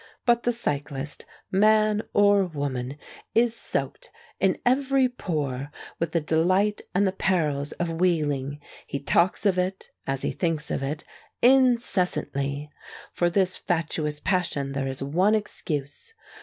But the cyclist, man or woman, is soaked in every pore with the delight and the perils of wheeling. He talks of it (as he thinks of it) incessantly. For this fatuous passion there is one excuse.